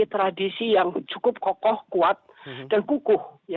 tradisi yang cukup kokoh kuat dan kukuh